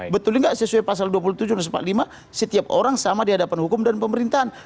betul nggak sesuai pasal dua puluh tujuh satu ratus empat puluh lima setiap orang sama di hadapan hukum dan pemerintahan